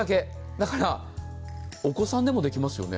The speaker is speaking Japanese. だからお子さんでもできますよね。